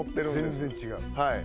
全然違う